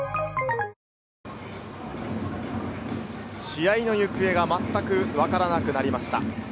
試合の行方がまったくわからなくなりました。